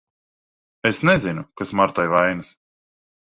Es nezinu, kas Martai vainas.